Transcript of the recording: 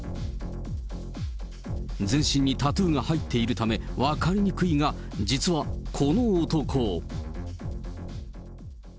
全身にタトゥーが入っているため分かりにくいが、実はこの男。